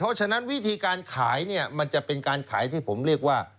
เพราะฉะนั้นวิธีการขายเนี่ยมันจะเป็นการขายที่ผมเรียกว่า